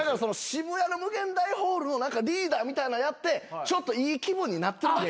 渋谷の∞ホールのリーダーみたいなのやってちょっといい気分になってるだけ。